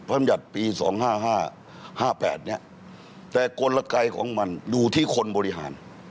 ลำยัติปี๒๕๕๘เนี่ยแต่กลไกของมันดูที่คนบริหาร